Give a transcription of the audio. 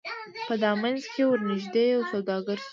په دامنځ کي ورنیژدې یو سوداګر سو